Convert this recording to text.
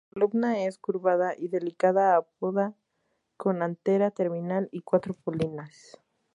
La columna es curvada y delicada, apoda, con antera terminal y cuatro polinias.